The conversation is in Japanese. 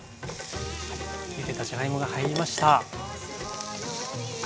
ゆでたじゃがいもが入りました。